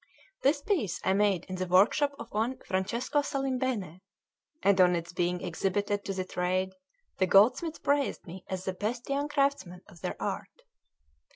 This piece I made in the workshop of one Francesco Salimbene; and on its being exhibited to the trade, the goldsmiths praised me as the best young craftsman of their art.